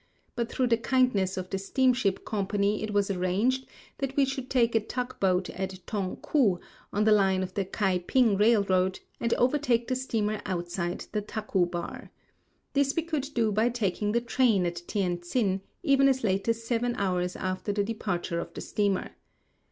But through the kindness of the steamship company it was arranged that we VI 197 should take a tug boat at Tong ku, on the line of the Kai ping railroad, and overtake the steamer outside the Taku bar. This we could do by taking the train at Tientsin, even as late as seven hours after the departure of the steamer.